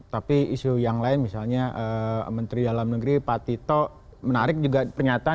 tapi isu yang lain misalnya menteri dalam negeri pak tito menarik juga pernyataan